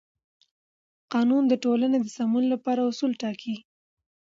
قانون د ټولنې د سمون لپاره اصول ټاکي.